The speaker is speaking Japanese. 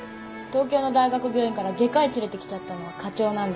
東京の大学病院から外科医連れて来ちゃったのは課長なんですから。